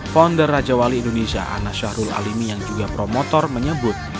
founder raja wali indonesia anas syahrul alimi yang juga promotor menyebut